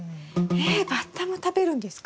えっバッタも食べるんですか？